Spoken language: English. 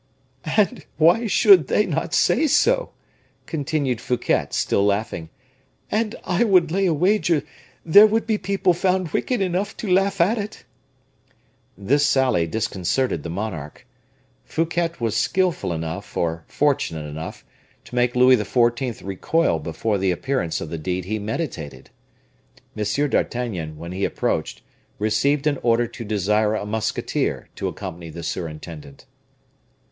"And why should they not say so?" continued Fouquet, still laughing; "and I would lay a wager there would be people found wicked enough to laugh at it." This sally disconcerted the monarch. Fouquet was skillful enough, or fortunate enough, to make Louis XIV. recoil before the appearance of the deed he meditated. M. d'Artagnan, when he appeared, received an order to desire a musketeer to accompany the surintendant.